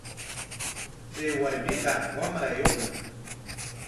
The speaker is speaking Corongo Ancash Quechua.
Chay warmiqa wamrayuqñam.